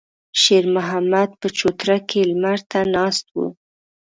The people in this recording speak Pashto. شېرمحمد په چوتره کې لمر ته ناست و.